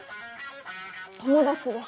友達です。